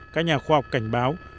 các nhà khoa học cảnh báo